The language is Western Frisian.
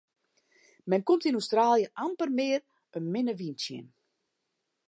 Men komt yn Australië amper mear in minne wyn tsjin.